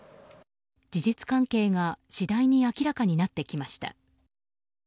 事実関係が次第に明らかになってきました。